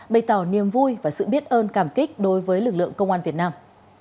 bày tỏ niềm vui và sự biết ơn cảm kích đối với lực lượng công an việt nam